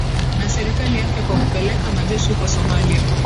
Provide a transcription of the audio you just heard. na serikali yake kwa kupeleka majeshi huko somalia